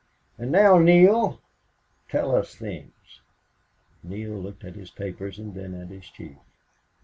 And now, Neale, tell us things." Neale looked at his papers and then at his chief.